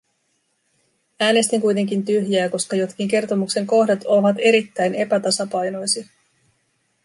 Äänestin kuitenkin tyhjää, koska jotkin kertomuksen kohdat ovat erittäin epätasapainoisia.